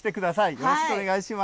よろしくお願いします。